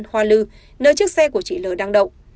hoa lư nơi chiếc xe của chị l đang động